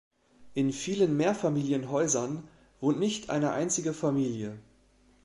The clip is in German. In vielen Mehrfamilienhäusern wohnt nicht eine einzige Familie.